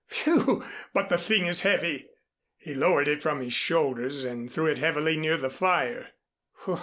Phew! But the thing is heavy!" He lowered it from his shoulders and threw it heavily near the fire.